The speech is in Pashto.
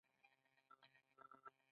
انجنیری ډیزاین ډیر ډولونه لري.